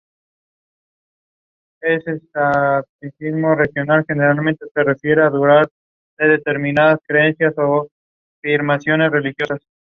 Dawn Of The Apocalypse